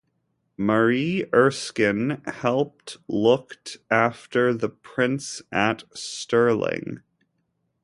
Marie Erskine helped looked after the prince at Stirling.